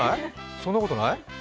そんなことない？